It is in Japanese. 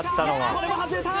これも外れた！